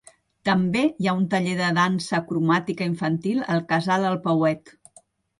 També, hi ha un taller de dansa cromàtica infantil al casal El Peuet.